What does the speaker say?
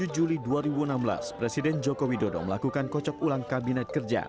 dua puluh juli dua ribu enam belas presiden joko widodo melakukan kocok ulang kabinet kerja